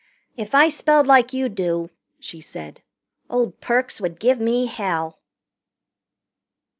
"If I spelled like you do," she said, "old Perks would give me hell."